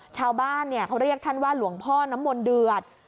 ชาวบ้านเขาเรียกท่านว่าหลวงพ่อน้ำมนต์เดือด